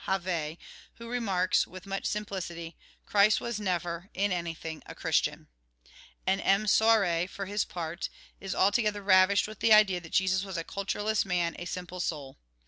Havet, who remarks, with much simplicity, " Christ was never, in anything, a Christian." And M. Soury, for his part, is altogether ravished with AUTHOR'S PREFACE 19 the idea that Jesus was a cultureless man, a simple soul.